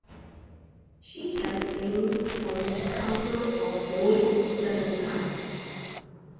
She has been on the cover of "Vogue" seven times.